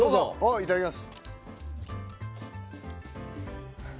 いただきます。